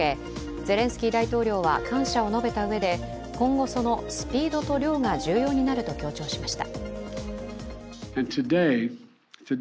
ゼレンスキー大統領は感謝を述べたうえで、今後、そのスピードと量が重要になると強調しました。